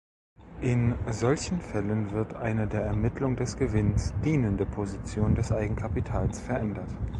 In solchen Fällen wird eine der Ermittlung des Gewinns dienende Position des Eigenkapitals verändert.